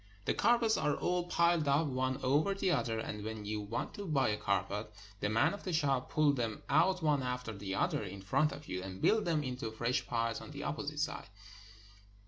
The carpets are all piled up, one over the other, and when you want to buy a carpet, the men of the shop pull them out one after the other in front of you, and build them into fresh piles on the opposite side.